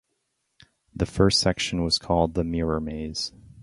The first section was called the Mirror Maze.